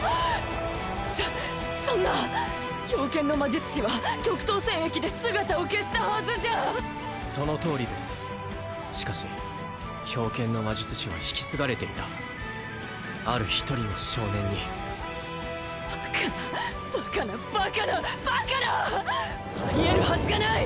そそんな冰剣の魔術師は極東戦役で姿を消したはずじゃそのとおりですしかし冰剣の魔術師は引き継がれていたある一人の少年にバカなバカなバカなバカな！あり得るはずがない！